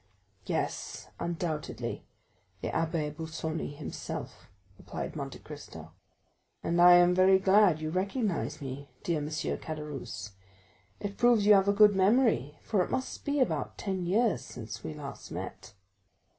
"Yes, undoubtedly, the Abbé Busoni himself," replied Monte Cristo. "And I am very glad you recognize me, dear M. Caderousse; it proves you have a good memory, for it must be about ten years since we last met."